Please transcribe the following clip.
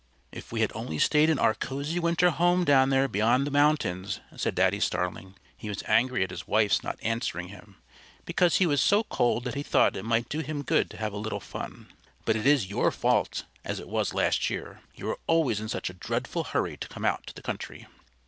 "If we had only stayed in our cosy winter home down there beyond the mountains," said Daddy Starling. He was angry at his wife's not answering him, because he was so cold that he thought it might do him good to have a little fun. "But it is your fault, as it was last year. You are always in such a dreadful hurry to come out to the country."